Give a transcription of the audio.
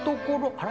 あら？